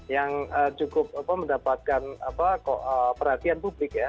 yang cukup mendapatkan perhatian publik ya